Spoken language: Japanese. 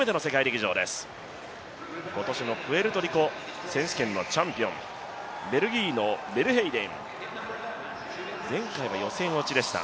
今年のプエルトリコ選手権のチャンピオンベルギーのベルヘイデン、前回は予選落ちでした。